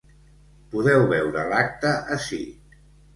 Podeu veure l’acte ací.